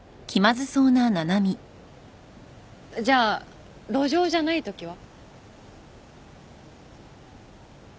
じゃあ路上じゃないときは？